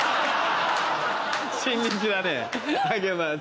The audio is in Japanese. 新日だねあげます。